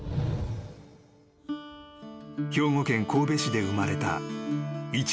［兵庫県神戸市で生まれた］